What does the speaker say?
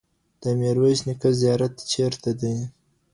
د میرویس نیکه زیارت چيرته دی؟